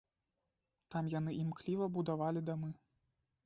Там яны імкліва будавалі дамы.